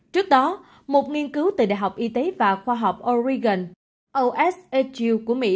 trước đó một nghiên cứu từ đại học y tế và khoa học oregon oshu của mỹ